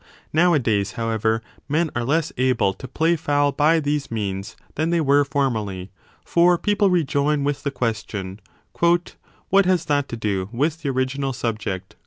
Nowadays, however, men are less able 3 to play foul by ao these means than they were formerly : for people rejoin with the question, What has that to do with the original subject